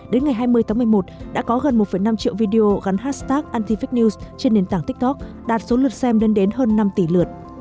đến ngày hai mươi tháng một mươi một đã có gần một năm triệu video gắn hashtag antific news trên nền tảng tiktok đạt số lượt xem lên đến hơn năm tỷ lượt